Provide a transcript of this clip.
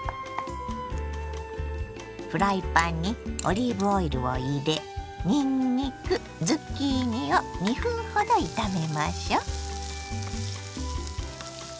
フライパンにオリーブオイルを入れにんにくズッキーニを２分ほど炒めましょ。